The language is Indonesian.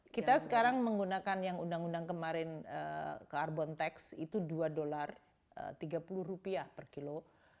kita sekarang menggunakan yang undang undang kemarin carbon tax itu dua tiga puluh rupiah per kilo